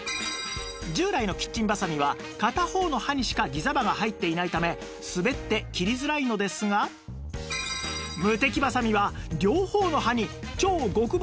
従来のキッチンバサミは片方の刃にしかギザ刃が入っていないため滑って切りづらいのですがムテキバサミは両方の刃に超極細